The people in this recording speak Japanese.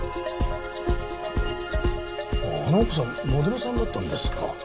あの奥さんモデルさんだったんですか。